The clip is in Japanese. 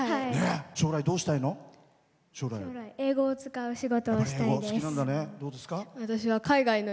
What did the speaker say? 将来、どうしたいの？